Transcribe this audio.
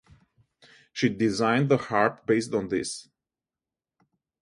She designed the harp based on this.